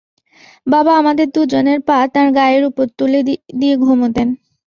বাবা আমাদের দু জনের পা তাঁর গায়ের উপর তুলে দিয়ে ঘুমুতেন।